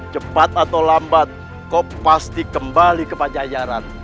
cepat atau lambat kau pasti kembali ke panjajaran